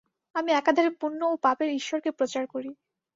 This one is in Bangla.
আমি একাধারে পুণ্য ও পাপের ঈশ্বরকে প্রচার করি।